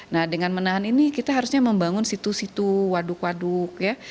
nah dengan menahan ini kita harusnya membangun situ situ waduk waduk ya